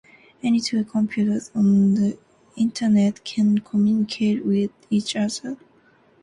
Any two computers on the Internet can communicate with each other.